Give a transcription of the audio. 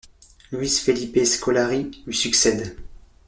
Luiz Felipe Scolari lui succède.